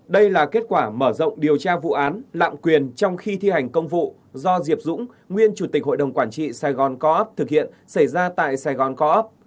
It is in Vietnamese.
đây là kết quả mở rộng điều tra vụ án lạm quyền trong khi thi hành công vụ do diệp dũng nguyên chủ tịch hội đồng quản trị saigon co op thực hiện xảy ra tại saigon co op